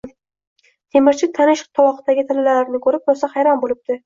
Temirchi tanish tovoqdagi tillalarni ko‘rib, rosa hayron bo‘libdi.